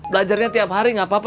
belajarnya tiap hari gak apa apa